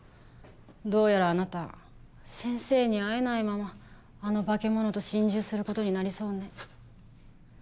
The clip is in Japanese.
どうやらあなた先生に会えないままあの化け物と心中することになりそうね。